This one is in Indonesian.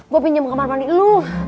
gue pinjam kamar mandi lu